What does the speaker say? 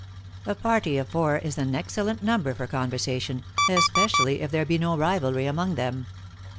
A party of four is an excellent number for conver sation, especially if there be no rivalry among them.